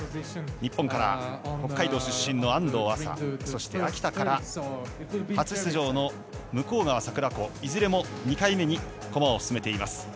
日本から北海道出身の安藤麻そして秋田から初出場の向川桜子いずれも２回目に駒を進めています。